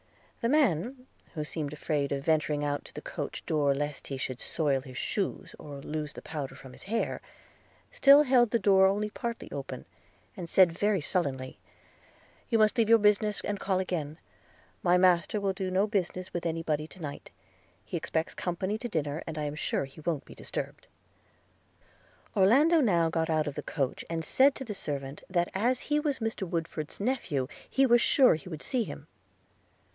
The man, who seemed afraid of venturing out to the coach door, lest he should soil his shoes, or lose the powder from his hair, still held the door only partly open, and said very sullenly – 'You must leave your business, and call again – my master will do no business with any body to night; he expects company to dinner; and I am sure he won't be disturbed.' Orlando now got out of the coach, and said to the servant, that as he was Mr.Woodford's nephew, he was sure he would see him.